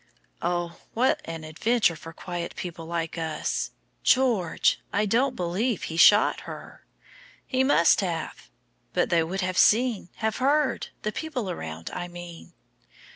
"Oh, what an adventure for quiet people like us! George, I don't believe he shot her." "He must have." "But they would have seen have heard the people around, I mean."